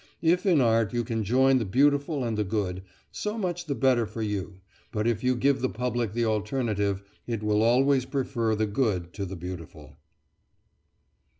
If in art you can join the beautiful and the good, so much the better for you; but if you give the public the alternative, it will always prefer the good to the beautiful.